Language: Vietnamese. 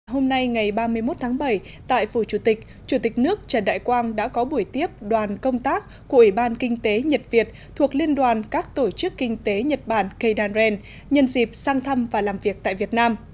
hôm nay ngày ba mươi một tháng bảy tại phủ chủ tịch chủ tịch nước trần đại quang đã có buổi tiếp đoàn công tác của ủy ban kinh tế nhật việt thuộc liên đoàn các tổ chức kinh tế nhật bản kdan nhân dịp sang thăm và làm việc tại việt nam